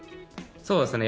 そうですね